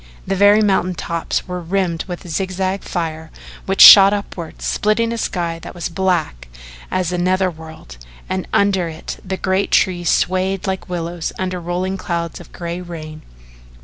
The very mountain tops were rimmed with zigzag fire, which shot upward, splitting a sky that was as black as a nether world, and under it the great trees swayed like willows under rolling clouds of gray rain.